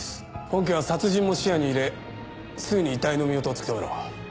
本件は殺人も視野に入れすぐに遺体の身元を突き止めろ。